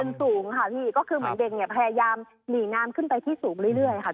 นี่คือเหมือนเด็กพยายามหนีน้ำขึ้นไปที่สูงเรื่อย